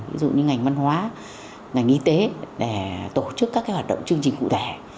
ví dụ như ngành văn hóa ngành y tế để tổ chức các hoạt động chương trình cụ thể